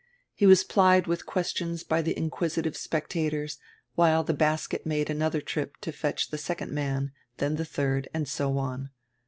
He was plied with questions by the inquisi tive spectators, while die basket made anodier trip to fetch die second man, dien die diird, and so on.